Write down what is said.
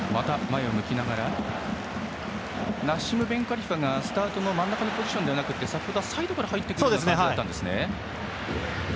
ナッシム・ベンカリファがスタートの真ん中のポジションではなく先ほどは、サイドから入ってくる感じだったんですね。